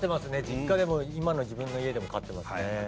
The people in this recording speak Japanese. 実家でも今の自分の家でも飼ってますね